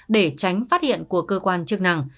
để tránh phát hiện của cơ quan chức năng